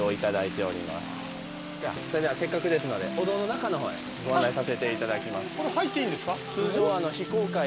それではせっかくですのでお堂の中の方へご案内させていただきます。